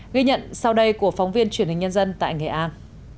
ghi nhận sau đây của phóng viên truyền hình nhân dân tại nghệ an